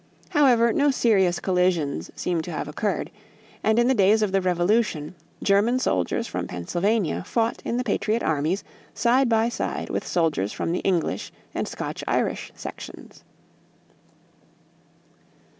However, no serious collisions seem to have occurred; and in the days of the Revolution, German soldiers from Pennsylvania fought in the patriot armies side by side with soldiers from the English and Scotch Irish sections.